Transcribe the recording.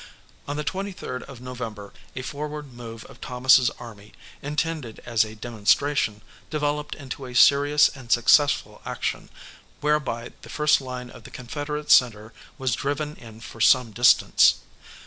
On the 23rd of November a forward move of Thomas's army, intended as a demonstration, developed into a serious and successful action, whereby the first line of the Confederate centre was driven in for some distance.